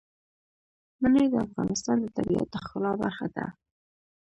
منی د افغانستان د طبیعت د ښکلا برخه ده.